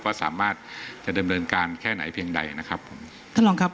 ว่าสามารถจะดำเนินการแค่ไหนเพียงใดนะครับผมท่านรองครับ